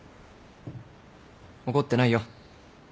怒ってないよ。